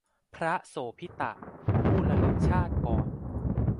พระโสภิตะ ผู้ระลึกชาติก่อน